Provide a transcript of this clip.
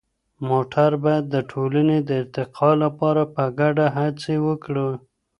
موږ بايد د ټولني د ارتقا لپاره په ګډه هڅې وکړو.